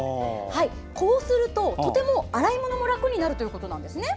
こうすると、とても洗い物も楽になるということなんですね。